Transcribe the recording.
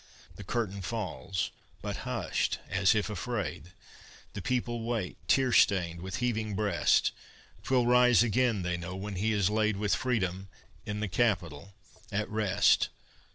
The curtain falls: but hushed, as if afraid, The people wait, tear stained, with heaving breast; 'Twill rise again, they know, when he is laid With Freedom, in the Capitol, at rest.